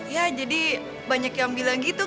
ya jadi banyak yang bilang gitu